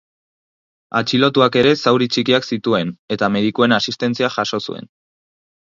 Atxilotuak ere zauri txikiak zituen eta medikuen asistentzia jaso zuen.